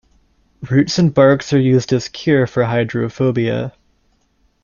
Roots and bark are used as cure for hydrophobia.